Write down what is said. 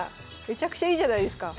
めちゃくちゃいいじゃないですか。